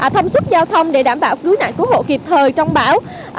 thông suốt giao thông để đảm bảo cứu nạn cứu hộ kịp thời trong bão